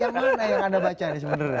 yang mana yang anda baca nih sebenarnya